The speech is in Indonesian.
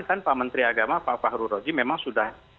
kan pak menteri agama pak fahru roji memang sudah